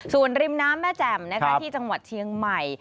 ส่วนริมน้ำแม่แจ่มที่จังหวัดเชียงใหม่